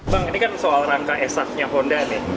bang ini kan soal rangka sf nya honda nih